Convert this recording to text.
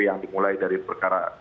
yang dimulai dari perkara